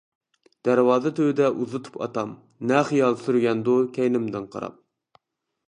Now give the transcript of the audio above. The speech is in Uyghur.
دەرۋازا تۈۋىدە ئۇزىتىپ ئاتام، نە خىيال سۈرگەندۇ كەينىمدىن قاراپ.